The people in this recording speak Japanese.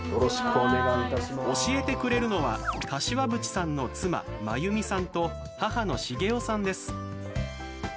教えてくれるのは柏淵さんの妻真弓さんと母の茂世さんです。